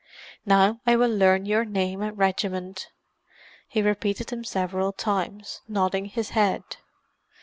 "Now I will learn your name and regiment." He repeated them several times, nodding his head.